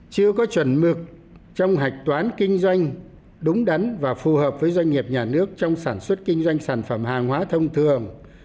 chưa có chuẩn mực trong hạch toán kinh doanh đúng đắn và phù hợp với doanh nghiệp nhà nước trong sản xuất kinh doanh sản phẩm hàng hóa thông thường